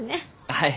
はい。